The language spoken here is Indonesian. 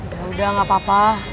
ya udah gak apa apa